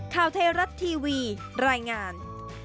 ข่าวไทยรัฐทีวีรายงาน